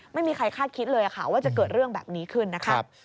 ไม่มีใครคาดคิดเลยค่ะว่าจะเกิดเรื่องแบบนี้ขึ้นนะครับ